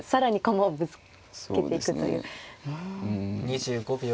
２５秒。